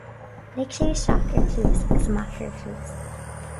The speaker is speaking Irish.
Lig sé isteach ar chluas agus amach ar chluas